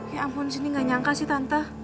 ya ampun cinti nggak nyangka sih tante